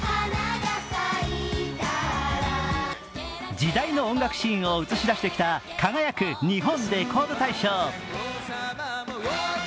時代の音楽シーンを映し出してきた「輝く！日本レコード大賞」。